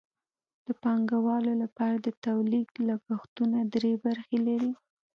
د پانګوالو لپاره د تولید لګښتونه درې برخې لري